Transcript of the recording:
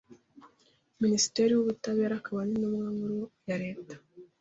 Minisitiri w’Ubutabera akaba n’Intumwa Nkuru ya Leta,